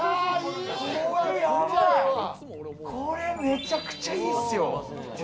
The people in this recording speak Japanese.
これ、めちゃくちゃいいっすよ。